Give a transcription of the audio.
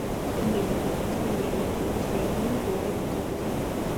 要求全体美国人参与美国全国人口普查。